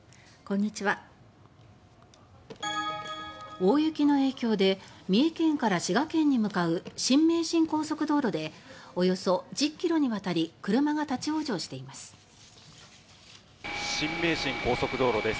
大雪の影響で三重県から滋賀県に向かう新名神高速道路でおよそ１０ｋｍにわたり車が立ち往生しています。